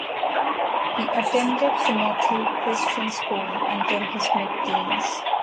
He attended Timothy Christian School until his mid-teens.